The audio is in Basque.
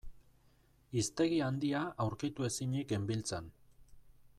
Hiztegi handia aurkitu ezinik genbiltzan.